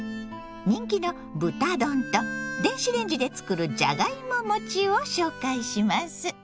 人気の豚丼と電子レンジでつくるじゃがいも餅を紹介します。